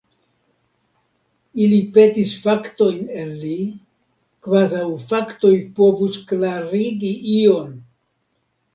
Ili petis faktojn el li, kvazaŭ faktoj povus klarigi ion!